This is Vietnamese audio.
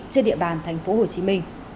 trên địa bàn tp hcm